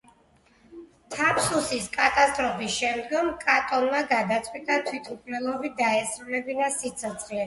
თაფსუსის კატასტროფის შემდგომ კატონმა გადაწყვიტა თვითმკვლელობით დაესრულებინა სიცოცხლე.